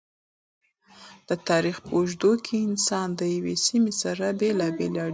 د تاریخ په اوږدو کی انسانانو د یوی سمی سره بیلابیلی اړیکی پیدا کولی